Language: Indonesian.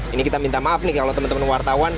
ini kita minta maaf nih kalau teman teman wartawan